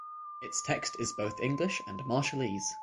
Its text is both English and Marshallese.